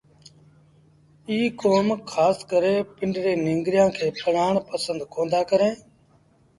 ايٚ ڪوم کآس ڪري پنڊري ننگريآݩ کي پڙهآڻ پسند ڪوندآ ڪريݩ